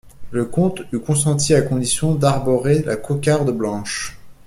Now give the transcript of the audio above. Le comte eut consenti à condition d'arborer la cocarde blanche.